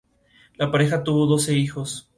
La pareja tuvo doce hijos.